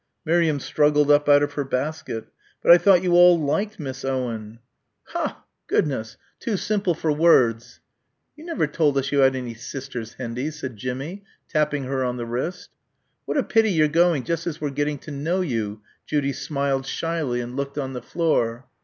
Miriam struggled up out of her basket. "But I thought you all liked Miss Owen!" "Ho! Goodness! Too simple for words." "You never told us you had any sisters, Hendy," said Jimmie, tapping her on the wrist. "What a pity you're going just as we're getting to know you," Judy smiled shyly and looked on the floor.